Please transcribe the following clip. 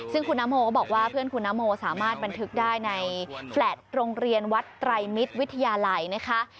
ซึ่งคุณนโมก็บอกว่าเพื่อนคุณนโมสามารถบันทึกได้ในแฟลต์โรงเรียนวัดไตรมิตรวิทยาลัยนะคะ